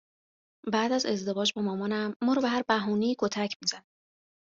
بعد از ازدواج با مامانم ما رو به هر بهونه ای کتک می زد